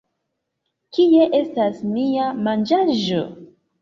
Kie estas mia manĝaĵo!